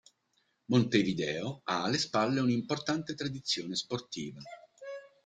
Montevideo ha alle spalle un'importante tradizione sportiva.